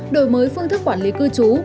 đổi mới phương thức quản lý cư trú